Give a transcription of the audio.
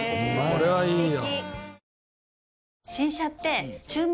これはいいよ。